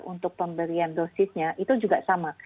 untuk pemberian dosisnya itu juga sama